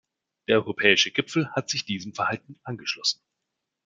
Der europäische Gipfel hat sich diesem Verhalten angeschlossen.